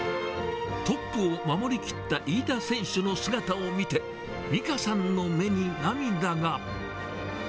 トップを守り切った飯田選手の姿を見て、美佳さんの目に涙が。